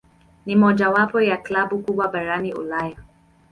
Ni mojawapo ya klabu kubwa barani Ulaya.